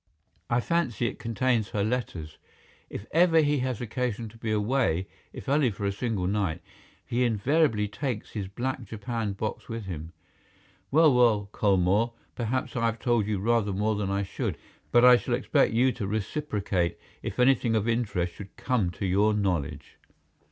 "I fancy it contains her letters. If ever he has occasion to be away, if only for a single night, he invariably takes his black japanned box with him. Well, well, Colmore, perhaps I have told you rather more than I should, but I shall expect you to reciprocate if anything of interest should come to your knowledge."